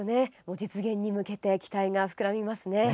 実現に向けて期待が膨らみますね。